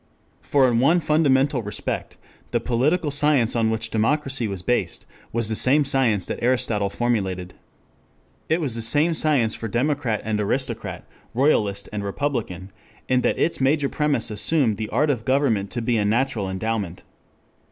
For in one fundamental respect the political science on which democracy was based was the same science that Aristotle formulated. It was the same science for democrat and aristocrat, royalist and republican, in that its major premise assumed the art of government to be a natural endowment.